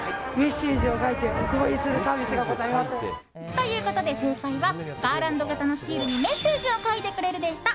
ということで、正解はガーランド型のシールにメッセージを書いてくれるでした。